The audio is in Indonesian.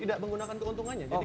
tidak menggunakan keuntungannya